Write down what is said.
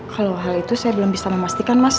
kalau hal itu saya belum bisa memastikan mas